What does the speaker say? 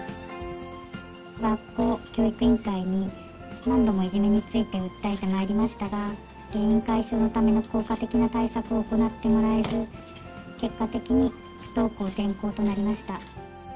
学校、教育委員会に、何度もいじめについて訴えてまいりましたが、原因解消のための効果的な対策を行ってもらえず、結果的に不登校、転校となりました。